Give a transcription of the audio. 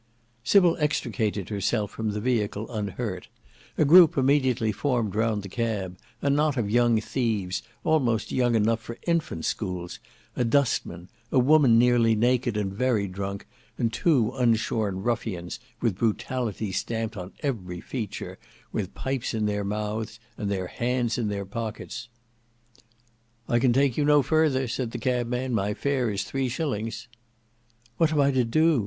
Sybil extricated herself from the vehicle unhurt; a group immediately formed round the cab, a knot of young thieves, almost young enough for infant schools, a dustman, a woman nearly naked and very drunk, and two unshorn ruffians with brutality stamped on every feature, with pipes in their mouths, and their hands in their pockets. "I can take you no further," said the cabman: "my fare is three shillings." "What am I to do?"